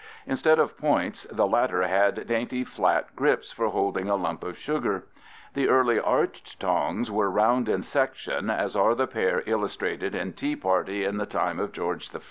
Instead of points, the latter had dainty flat grips for holding a lump of sugar (fig. 16). The early arched tongs were round in section, as are the pair illustrated in Tea Party in the Time of George I (fig.